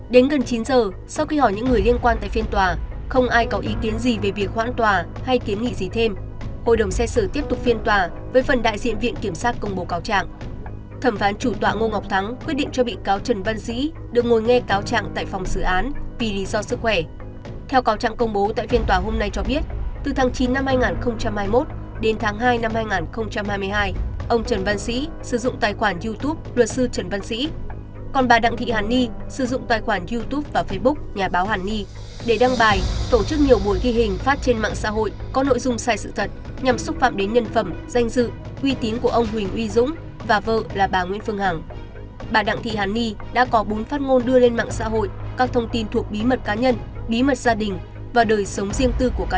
đến gần chín giờ sau khi hỏi những người liên quan tại phiên tòa không ai có ý kiến gì về việc khoãn tòa hay kiếm nghỉ gì thêm hội đồng xét xử tiếp tục phiên tòa với phần đại diện viện kiểm sát công bố cáo trạng